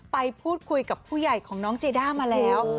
ไปพูดคุยกับผู้ใหญ่ของน้องเจด้ามาแล้ว